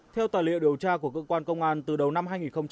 theo tài liệu điều tra của cơ quan công an từ đầu năm hai nghìn một mươi tám